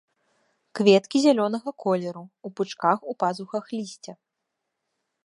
Кветкі зялёнага колеру, у пучках у пазухах лісця.